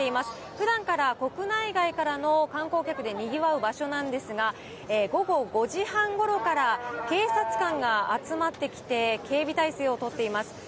ふだんから国内外からの観光客でにぎわう場所なんですが、午後５時半ごろから警察官が集まってきて、警備態勢をとっています。